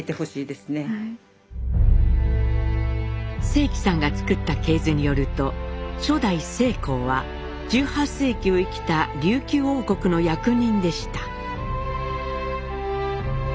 正祺さんが作った系図によると初代正好は１８世紀を生きた琉球王国の役人でした。